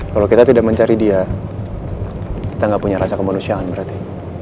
kalau kita tidak mencari dia kita nggak punya rasa kemanusiaan berarti